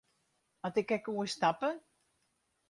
Moat ik ek oerstappe?